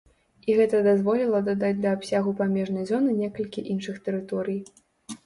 І гэта дазволіла дадаць да абсягу памежнай зоны некалькі іншых тэрыторый.